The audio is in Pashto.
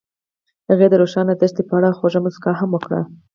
هغې د روښانه دښته په اړه خوږه موسکا هم وکړه.